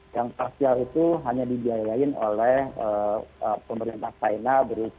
yang parsial itu hanya dibiayain oleh pemerintah china